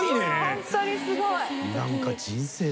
ホントにすごい。何か。